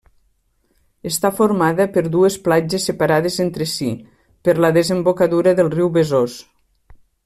Està formada per dues platges separades entre si per la desembocadura del riu Besòs.